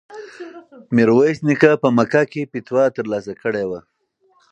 میرویس نیکه په مکه کې فتوا ترلاسه کړې وه.